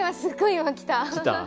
今来た。